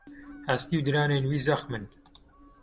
Hestî û diranên wî zexm in.